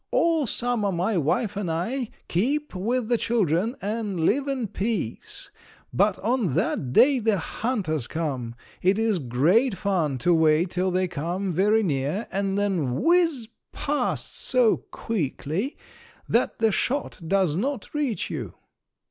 All summer my wife and I keep with the children and live in peace, but on that day the hunters come. It is great fun to wait till they come very near and then whiz past so quickly that the shot does not reach you!"